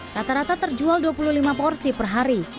rata rata terjual dua puluh lima porsi per hari